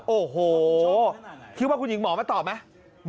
โอ้โหคิดว่าคุณหญิงหมอมาตอบไหม